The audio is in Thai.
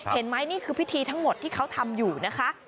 นี่คือพิธีทั้งหมดที่เขาทำอยู่นะคะ